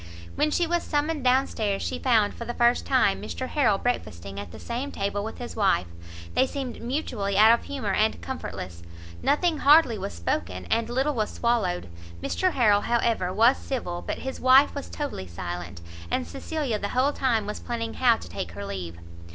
When she was summoned down stairs, she found, for the first time, Mr Harrel breakfasting at the same table with his wife; they seemed mutually out of humour and comfortless, nothing hardly was spoken, and little was swallowed; Mr Harrel, however, was civil, but his wife was totally silent, and Cecilia the whole time was planning how to take her leave.